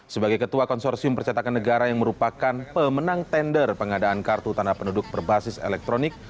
sebagai ketua konsorsium percetakan negara yang merupakan pemenang tender pengadaan kartu tanda penduduk berbasis elektronik